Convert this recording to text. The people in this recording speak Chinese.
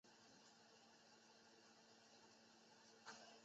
是欧亚大陆与非洲大陆的湿地中极为常见的水鸟。